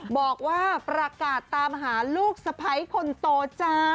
บอกว่าประกาศตามหาลูกสะพ้ายคนโตจ้า